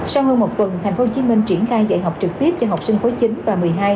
sau hơn một tuần tp hcm triển khai dạy học trực tiếp cho học sinh khối chín và một mươi hai